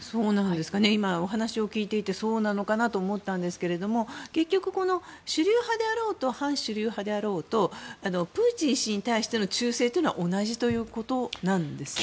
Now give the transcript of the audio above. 今、お話を聞いていてそうなのかなと思ったんですが結局、主流派であろうと反主流派であろうとプーチン氏に対しての忠誠は同じということなんですよね。